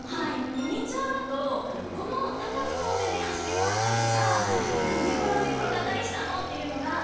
ミニチュアだと「この畳の上で走り回ったりとか寝転んで転がったりしたの！」っていうのが。